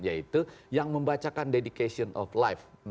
yaitu yang membacakan dedication of life